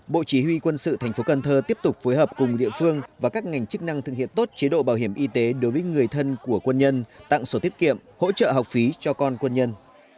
bộ chỉ huy quân sự thành phố cần thơ tiếp tục phối hợp cùng địa phương và các ngành chức năng thực hiện tốt chế độ bảo hiểm y tế đối với người thân của quân nhân tặng sổ tiết kiệm hỗ trợ học phí cho con quân nhân